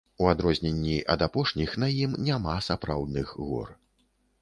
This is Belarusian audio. У адрозненні ад апошніх, на ім няма сапраўдных гор.